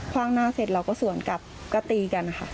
ว่างหน้าเสร็จเราก็สวนกลับก็ตีกันค่ะ